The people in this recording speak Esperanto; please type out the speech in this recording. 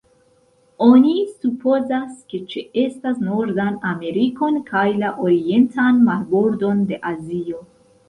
Oni supozas, ke ĉeestas Nordan Amerikon kaj la orientan marbordon de Azio.